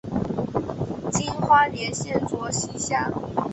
今花莲县卓溪乡。